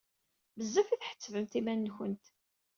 Bezzaf i tḥettbemt iman-nkent!